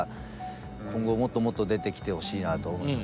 今後もっともっと出てきてほしいなと思いますし。